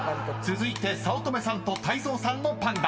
［続いて早乙女さんと泰造さんのパンダ］